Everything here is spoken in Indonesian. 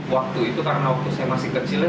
waktu itu karena waktu saya masih kecilnya